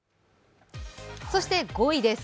そして５位です。